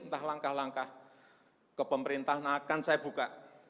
entah langkah langkah kepemerintahan akan saya buka